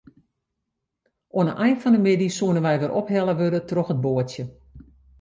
Oan 'e ein fan 'e middei soene wy wer ophelle wurde troch it boatsje.